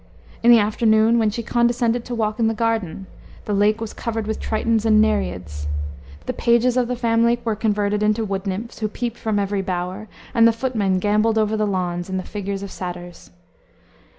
In the afternoon, when she condescended to walk in the garden, the lake was covered with tritons and nereids; the pages of the family were converted into wood nymphs, who peeped from every bower; and the footmen gamboled over the lawns in the figure of satyrs.